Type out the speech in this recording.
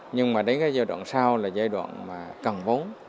nhưng mà đến cái giai đoạn sau là giai đoạn mà cần vốn